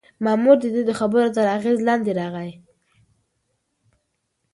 مامور د ده د خبرو تر اغېز لاندې راغی.